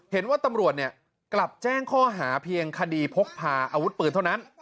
เห็นว่าตำรวจกลับแจ้งข้อหาเพียงคดีพกพาอาวุธปืนเท่านั้น